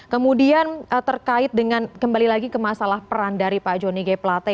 kemudian terkait dengan kembali lagi ke masalah peran dari pak jonny g plate